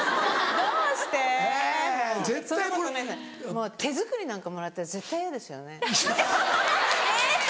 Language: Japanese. もう手作りなんかもらったら絶対嫌ですよね。